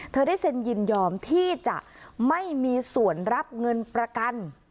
ได้เซ็นยินยอมที่จะไม่มีส่วนรับเงินประกัน